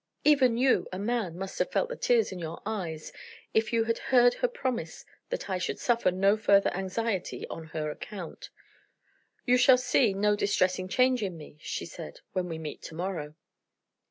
Even you, a man, must have felt the tears in your eyes, if you had heard her promise that I should suffer no further anxiety on her account. 'You shall see no distressing change in me,' she said, 'when we meet to morrow.